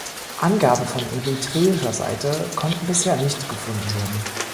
Angaben von eritreischer Seite konnten bisher nicht gefunden werden.